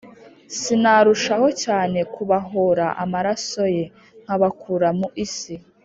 sinarushaho cyane kubahōra amaraso ye, nkabakura mu isi?”